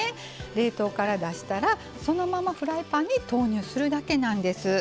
冷凍から出したらそのままフライパンに投入するだけなんです。